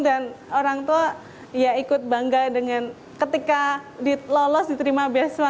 dan orang tua ya ikut bangga dengan ketika lolos diterima beasiswa